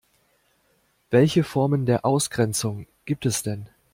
Welche Formen der Ausgrenzung gibt es denn?